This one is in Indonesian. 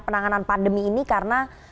penanganan pandemi ini karena